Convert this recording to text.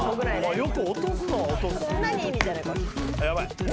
よく落とすのは落とす。